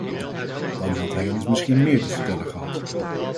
Dan had hij ons misschien meer te vertellen gehad.